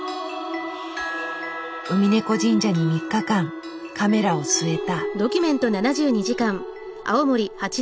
ウミネコ神社に３日間カメラを据えた。